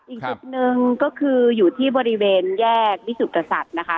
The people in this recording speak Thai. อีกจุดหนึ่งก็คืออยู่ที่บริเวณแยกวิสุทธิกษัตริย์นะคะ